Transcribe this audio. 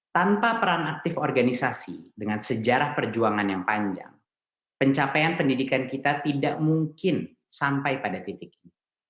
tanpa peran aktif organisasi dengan sejarah perjuangan yang panjang pencapaian pendidikan kita tidak mungkin sampai pada titik ini